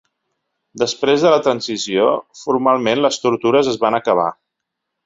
Després de la transició, formalment les tortures es van acabar.